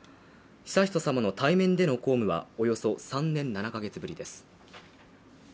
悠仁さまの対面での公務はおよそ３年７カ月ぶりです。